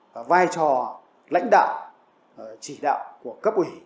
và vai trò lãnh đạo chỉ đạo của cấp ủy